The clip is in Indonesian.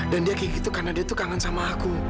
dan dia kayak gitu karena dia tuh kangen sama aku